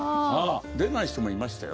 出ない人もいましたよ